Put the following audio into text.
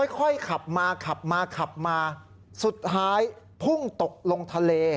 ค่อยขับมาสุดท้ายพุ่งตกลงทะเล